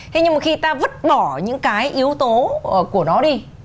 thế nhưng mà khi ta vứt bỏ những cái yếu tố của nó đi